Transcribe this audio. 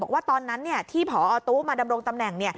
บอกว่าตอนนั้นที่พอตู้มาดำรงตำแหน่ง